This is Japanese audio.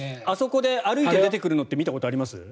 あそこで歩いて出てくるのって見たことあります？